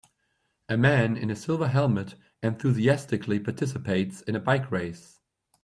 A man in a silver helmet enthusiastically participates in a bike race.